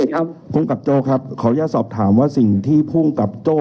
สิครับผู้กรับโจเอิร์ดครับขออนุญาตสอบถามว่าสิ่งที่ผู้กรับโจ